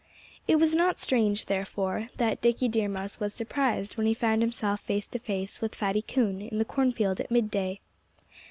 It was not strange, therefore, that Dickie Deer Mouse was surprised when he found himself face to face with Fatty Coon in the cornfield at midday.